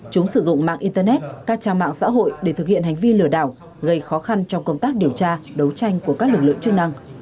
chúng sử dụng mạng internet các trang mạng xã hội để thực hiện hành vi lừa đảo gây khó khăn trong công tác điều tra đấu tranh của các lực lượng chức năng